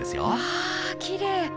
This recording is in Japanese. わあきれい。